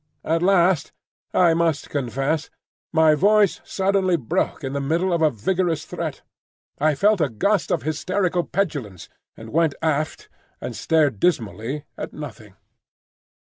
At last I must confess my voice suddenly broke in the middle of a vigorous threat. I felt a gust of hysterical petulance, and went aft and stared dismally at nothing.